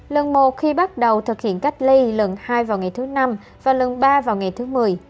lần một khi bắt đầu thực hiện cách ly lần hai vào ngày thứ năm và lần ba vào ngày thứ một mươi